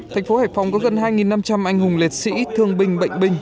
thành phố hải phòng có gần hai năm trăm linh anh hùng liệt sĩ thương binh bệnh binh